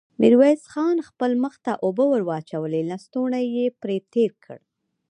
ميرويس خان خپل مخ ته اوبه ور واچولې، لستوڼۍ يې پرې تېر کړ.